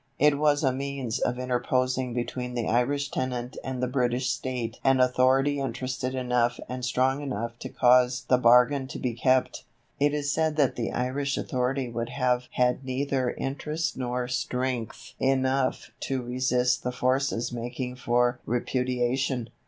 It was a means of interposing between the Irish tenant and the British State an authority interested enough and strong enough to cause the bargain to be kept. It is said that the Irish authority would have had neither interest nor strength enough to resist the forces making for repudiation.